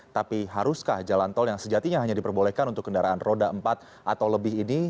tapi haruskah jalan tol yang sejatinya hanya diperbolehkan untuk kendaraan roda empat atau lebih ini